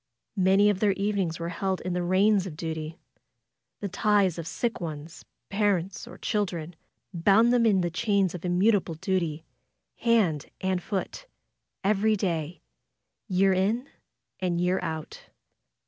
Many of their evenings were held in the reins of duty. Tho ties of sick ones, parents, or children, bound them in the chains of immutable dut}^ hand and foot, every day, year in and year out.